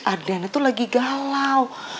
adriana tuh lagi galau